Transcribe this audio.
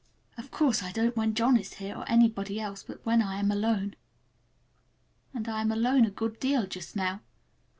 Of course I don't when John is here, or anybody else, but when I am alone. And I am alone a good deal just now.